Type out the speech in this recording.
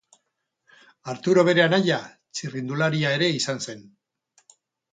Arturo bere anaia txirrindularia ere izan zen.